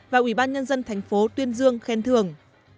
và ủy ban nhân dân tp tuyên dương khen thường